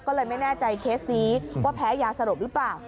ก็เลยไม่แน่ใจเคสนี้ว่าแพ้ยาสลบหรือเปล่า